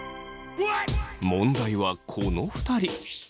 問題はこの２人。